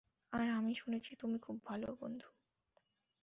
আর আমি শুনেছি তুমি খুব ভাল বন্ধু।